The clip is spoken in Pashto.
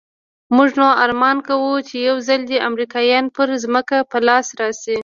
موږ نو ارمان کاوه چې يو ځل دې امريکايان پر ځمکه په لاس راسي.